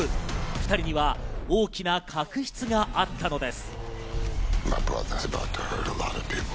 ２人には大きな確執があったのです。